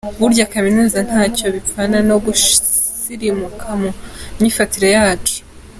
Burya kuminuza ntacyo bipfana no gusirimuka mu myifatire yacu.